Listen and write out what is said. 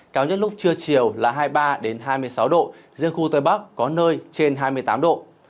cao nhất lúc trưa chiều là hai mươi ba hai mươi sáu độ riêng khu tây bắc có nơi trên hai mươi tám độ